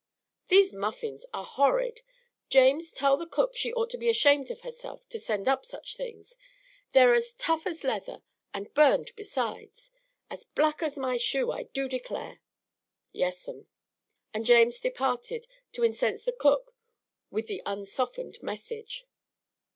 These muffins are horrid. James, tell the cook she ought to be ashamed of herself to send up such things. They're as tough as leather, and burned besides as black as my shoe, I do declare." "Yes, 'm." And James departed to incense the cook with the unsoftened message.